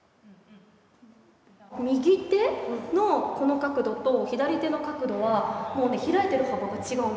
右手の角度と、左手の角度は開いてる幅が違うの。